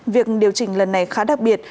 việc điều chỉnh lần này khá đặc biệt